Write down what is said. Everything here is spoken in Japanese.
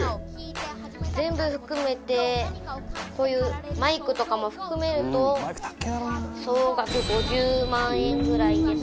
全部含めてこういうマイクとかも含めると総額５０万円ぐらいです。